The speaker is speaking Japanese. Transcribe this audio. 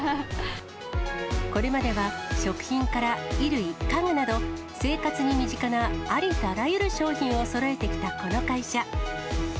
これまでは、食品から衣類、家具など、生活に身近なありとあらゆる商品をそろえてきたこの会社。